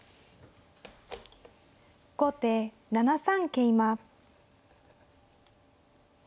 後手７三桂馬。